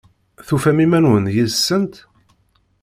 Tufam iman-nwen yid-sent?